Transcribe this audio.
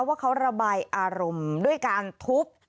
ว่าเขาระบายอารมณ์ด้วยการทุบ